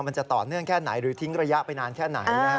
มันจะต่อเนื่องแค่ไหนหรือทิ้งระยะไปนานแค่ไหน